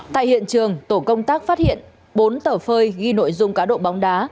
tại hiện trường tổ công tác phát hiện bốn tờ phơi ghi nội dung cá độ bóng đá